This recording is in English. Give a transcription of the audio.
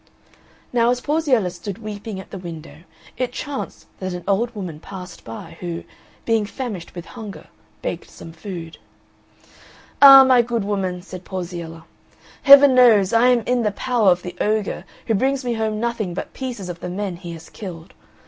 Now as Porziella stood weeping at the window it chanced that an old woman passed by who, being famished with hunger, begged some food. "Ah, my good woman," said Porziella, "Heaven knows I am in the power of the ogre who brings me home nothing but pieces of the men he has killed.